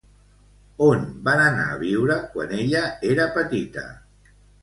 On van anar a viure quan ella era petita?